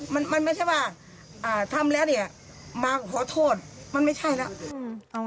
มันไม่ใช่ว่าทำแล้วมาขอโทษมันไม่ใช่แล้ว